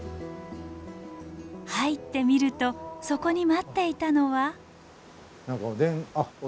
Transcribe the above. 入ってみるとそこに待っていたのは。